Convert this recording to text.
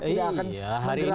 tidak akan menggerakkan orang